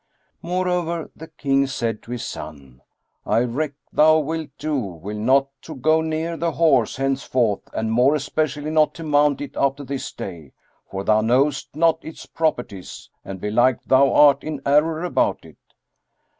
Moreover, the King said to his son, "I reck thou wilt do will not to go near the horse henceforth and more especially not to mount it after this day; for thou knowest not its properties, and belike thou art in error about it."